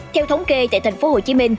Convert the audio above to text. theo thống kê tại tp hcm